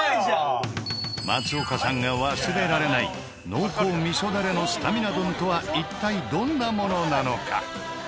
松岡さんが忘れられない濃厚味噌ダレのスタミナ丼とは一体どんなものなのか？